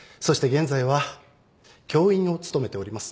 現在は教員を務めております